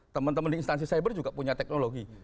teman teman di instansi cyber juga punya teknologi